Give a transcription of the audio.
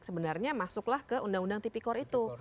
sebenarnya masuklah ke undang undang tipikor itu